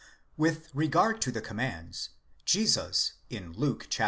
With regard to the commands, Jesus in Luke (xxiv.